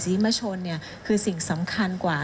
ศรีมชนคือสิ่งสำคัญกว่า